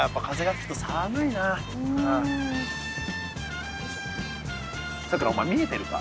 さくらお前見えてるか？